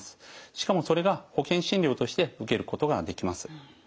しかもそれが保険診療として受けることができます。